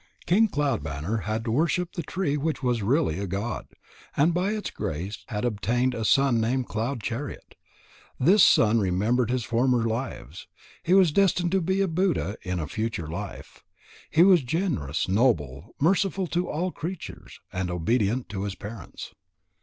King Cloud banner had worshipped the tree which was really a god, and by its grace had obtained a son named Cloud chariot. This son remembered his former lives. He was destined to be a Buddha in a future life. He was generous, noble, merciful to all creatures, and obedient to his parents.